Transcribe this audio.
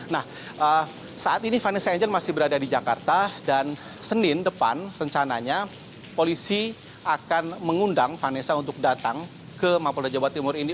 nah saat ini vanessa angel masih berada di jakarta dan senin depan rencananya polisi akan mengundang vanessa untuk datang ke mapolda jawa timur ini